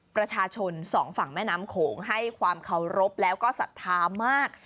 ประชาชนสองฝั่งแม่น้ำโขงให้ความเคารพแล้วก็ศรัทธามาก